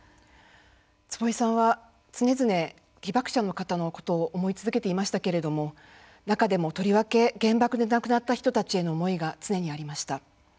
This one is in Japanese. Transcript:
坪井さんは常々被爆者の方のことを思い続けていましたけれども中でもとりわけ、原爆で亡くなった人たちへの思いが常にありました。